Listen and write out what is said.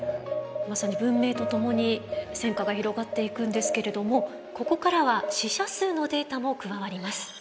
まさに文明とともに戦火が広がっていくんですけれどもここからは死者数のデータも加わります。